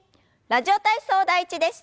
「ラジオ体操第１」です。